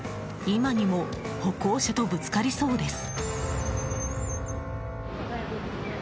今にも歩行者とぶつかりそうです。